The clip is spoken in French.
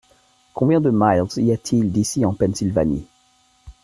Combien de miles y a-t-il d’ici en Pennsylvanie ?